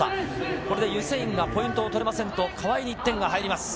これでユセインがポイントを取れませんと、川井に１点が入ります。